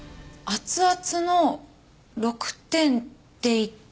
熱々の６点？